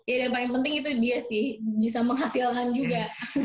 ya dan paling penting itu dia sih bisa menghasilkan juga